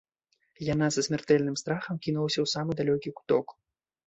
Яна са смяртэльным страхам кінулася ў самы далёкі куток.